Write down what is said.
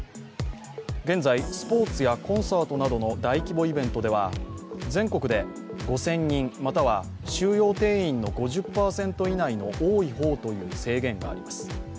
現在、スポーツやコンサートなどの大規模イベントでは全国で５０００人または収容定員の５０％以内多い方という制限があります。